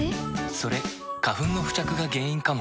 それ花粉の付着が原因かも。